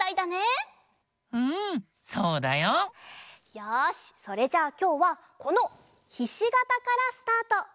よしそれじゃあきょうはこのひしがたからスタート。